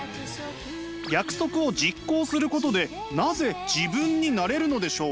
約束を実行することでなぜ自分になれるのでしょう？